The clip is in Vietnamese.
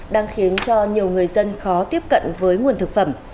đang khiến cho nhiều người dân khó tiếp cận với nguồn thực phẩm